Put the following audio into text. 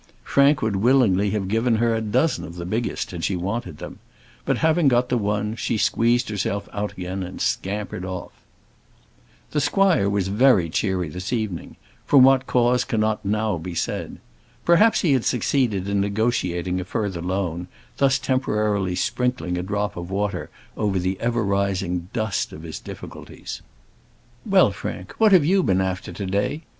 Frank would willingly have given her a dozen of the biggest, had she wanted them; but having got the one, she squeezed herself out again and scampered off. The squire was very cheery this evening; from what cause cannot now be said. Perhaps he had succeeded in negotiating a further loan, thus temporarily sprinkling a drop of water over the ever rising dust of his difficulties. "Well, Frank, what have you been after to day?